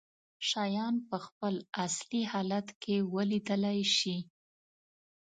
شيان په خپل اصلي حالت کې ولیدلی شي.